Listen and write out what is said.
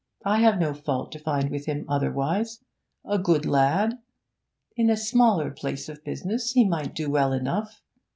I have no fault to find with him otherwise; a good lad; in a smaller place of business he might do well enough.